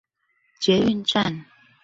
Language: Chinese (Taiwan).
捷運站